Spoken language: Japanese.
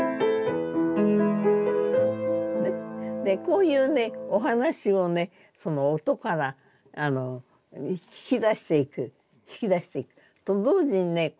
でこういうねお話をねその音から引き出していく引き出していくと同時にね